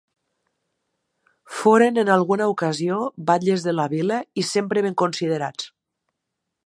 Foren en alguna ocasió batlles de la vila i sempre ben considerats.